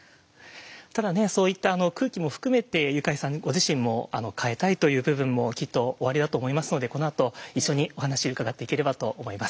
ただねそういった空気も含めてユカイさんご自身も変えたいという部分もきっとおありだと思いますのでこのあと一緒にお話伺っていければと思います。